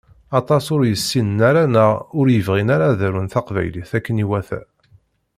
Aṭas ur yessinen ara neɣ ur yebɣin ara ad arun taqbaylit akken i iwata